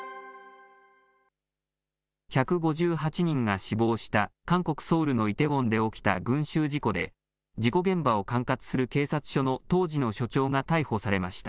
１５８人が死亡した韓国・ソウルのイテウォンで起きた群集事故で、事故現場を管轄する警察署の当時の署長が逮捕されました。